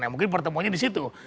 mungkin pertemuannya di situ